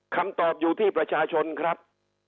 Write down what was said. คำตอบอยู่ที่ประชาชนครับ